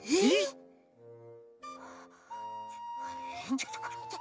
ちょっとこれって。